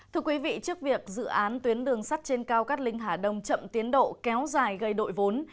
trước việc dự án tuyến đường sắt trên cao cát linh hà đông chậm tiến độ kéo dài gây đội vốn